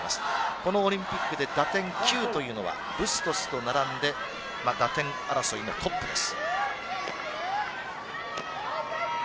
このオリンピックで打点９というのはブストスと並んで打点争いのトップです。